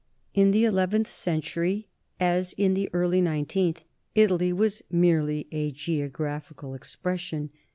In the eleventh century, as in the early nineteenth, Italy was merely a geographical expression.